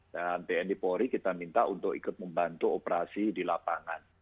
dan tni polri kita minta untuk ikut membantu operasi di lapangan